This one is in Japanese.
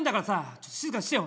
ちょっと静かにしてよ。